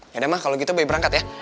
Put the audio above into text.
yaudah ma kalau gitu boy berangkat ya